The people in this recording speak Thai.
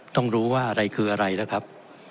ต้องรู้ว่าอะไรคืออะไรนะครับ